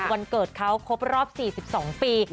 วันเกิดเขาครบรอบ๔๒ปี